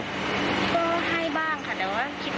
ก็ให้บ้างค่ะแต่ว่าคิดว่าไม่เป็นตามความจริงค่ะ